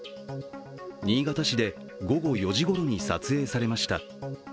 新潟市で午後４時ごろに撮影されました。